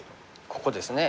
ここですね。